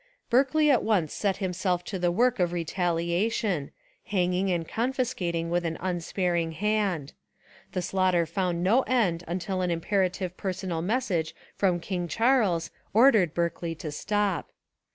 Berkeley at once set himself to the work of re taliation, — hanging and confiscating with an unsparing hand. The slaughter found no end until an Imperative personal message from King Charles ordered Berkeley to stop.